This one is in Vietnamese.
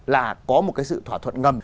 là có một cái sự thỏa thuận ngầm